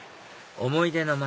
思い出の街